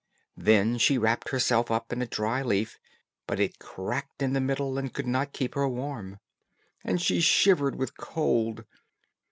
Then she wrapped herself up in a dry leaf, but it cracked in the middle and could not keep her warm, and she shivered with cold.